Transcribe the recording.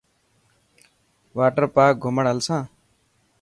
واٽر پارڪ گهمڻ هلسان.